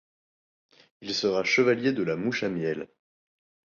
Il sera Chevalier de la Mouche à Miel.